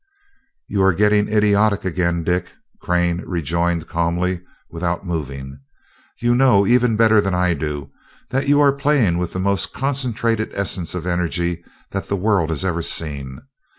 "You are getting idiotic again, Dick," Crane rejoined calmly, without moving. "You know, even better than I do, that you are playing with the most concentrated essence of energy that the world has ever seen.